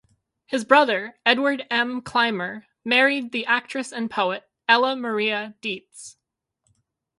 His brother, Edward M. Clymer, married the actress and poet, Ella Maria Dietz.